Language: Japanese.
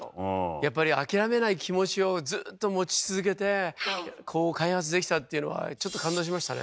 やっぱりあきらめない気持ちをずっと持ち続けてこう開発できたっていうのはちょっと感動しましたね。